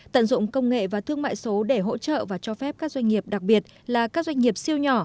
tận dụng công nghệ và thương mại số để hỗ trợ và cho phép các doanh nghiệp đặc biệt là các doanh nghiệp siêu nhỏ